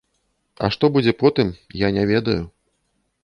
А што будзе потым, я не ведаю.